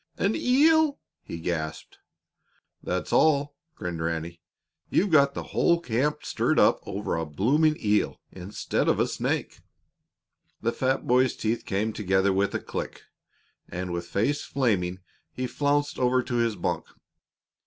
"An eel?" he gasped. "That's all," grinned Ranny. "You've got the whole camp stirred up over a blooming eel instead of a snake." The fat boy's teeth came together with a click, and, with face flaming, he flounced over to his bunk.